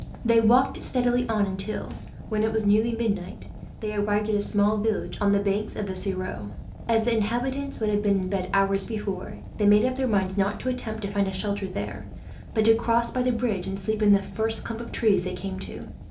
They walked steadily on until, when it was nearly midnight, they arrived at a small village on the banks of the Ciron. As the inhabitants would have been in bed, hours before, they made up their minds not to attempt to find a shelter there; but to cross by the bridge, and sleep in the first clump of trees they came to.